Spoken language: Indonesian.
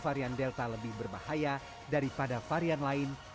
varian delta lebih berbahaya daripada varian lain